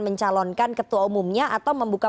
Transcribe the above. mencalonkan ketua umumnya atau membuka